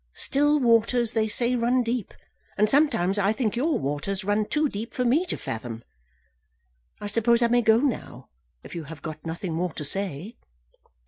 Still waters, they say, run deep; and sometimes I think your waters run too deep for me to fathom. I suppose I may go now, if you have got nothing more to say?"